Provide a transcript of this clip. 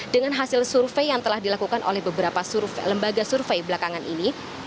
dengan hasil survei yang telah dilakukan oleh beberapa lembaga survei belakangan ini